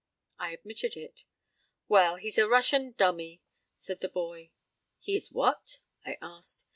I admitted it. "Well, he's a Russian dummy," said the boy. "He is what?" I asked.